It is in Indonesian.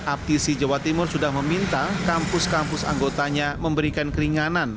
aptisi jawa timur sudah meminta kampus kampus anggotanya memberikan keringanan